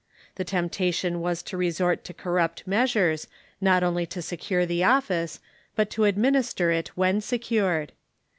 The temptation was to resort to corrupt measures, not only to secure the office, but to ad minister it when secured.